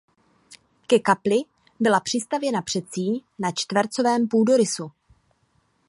Ke kapli byla přistavěna předsíň na čtvercovém půdorysu.